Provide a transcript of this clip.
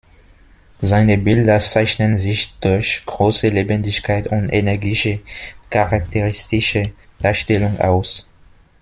Seine Bilder zeichnen sich durch große Lebendigkeit und energische, charakteristische Darstellung aus.